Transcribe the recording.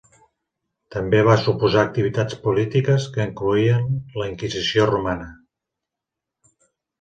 També va suposar activitats polítiques que incloïen la Inquisició romana.